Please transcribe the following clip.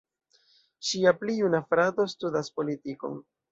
Ŝia pli juna frato studas politikon.